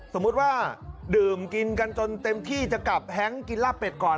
สมมุติว่าดื่มกินกันจนเต็มที่จะกลับแฮงกินลาบเป็ดก่อน